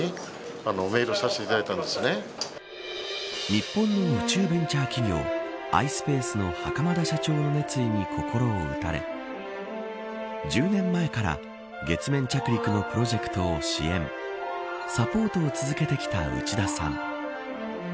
日本の宇宙ベンチャー企業ｉｓｐａｃｅの袴田社長の熱意に心を打たれ１０年前から月面着陸のプロジェクトを支援サポートを続けてきた内田さん。